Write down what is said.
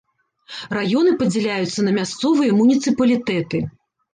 Раёны падзяляюцца на мясцовыя муніцыпалітэты.